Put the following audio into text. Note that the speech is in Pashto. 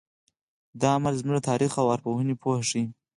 دا عمل زموږ د تاریخ او ارواپوهنې پوهه ښیي.